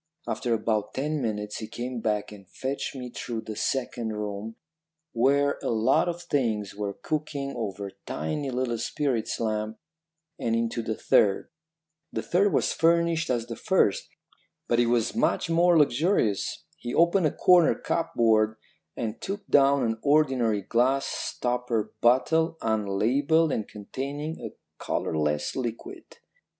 After about ten minutes he came back and fetched me through the second room, where a lot of things were cooking over tiny little spirit lamps, and into the third. The third was furnished as the first, but it was much more luxurious. He opened a corner cupboard and took down an ordinary glass stopper bottle, unlabelled and containing a colourless liquid.